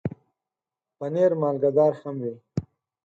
پنېر مالګهدار هم وي.